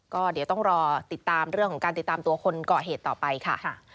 ก็เดี๋ยวต้องรอติดตามเรื่องของการติดตามตัวคนก่อเหตุต่อไปค่ะ